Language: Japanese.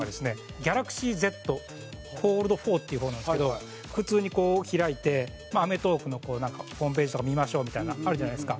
ＧａｌａｘｙＺＦｏｌｄ４っていうものなんですけど普通に開いて『アメトーーク』のホームページとか見ましょうみたいなあるじゃないですか。